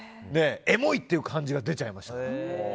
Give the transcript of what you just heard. エモいっていう感じが出ちゃいました。